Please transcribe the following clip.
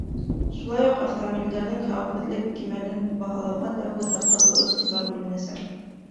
Шулай уҡ автомобилдәрҙең хәүефһеҙлек кимәлен баһалауға тәүге тапҡыр ҙур иғтибар бүленәсәк.